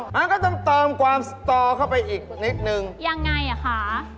งั้นก็ต้องเติมความสตอเข้าไปอีกนิดนึงยังไงอ่ะคะ